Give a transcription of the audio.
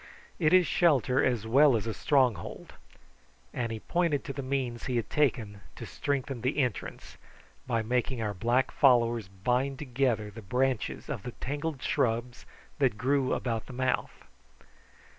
"It is shelter as well as a stronghold;" and he pointed to the means he had taken to strengthen the entrance, by making our black followers bind together the branches of the tangled shrubs that grew about the mouth.